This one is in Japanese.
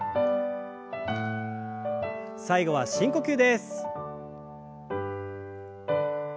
最後は深呼吸です。